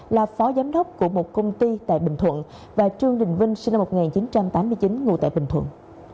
là phó giám đốc của một công ty tại bình thuận và trương đình vinh sinh năm một nghìn chín trăm tám mươi chín ngụ tại bình thuận